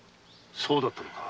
そうだったのか。